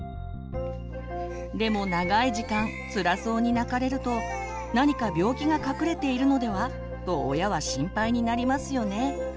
でも長い時間つらそうに泣かれると「何か病気が隠れているのでは？」と親は心配になりますよね。